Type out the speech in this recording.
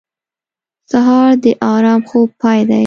سهار د ارام خوب پای دی.